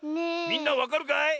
みんなわかるかい？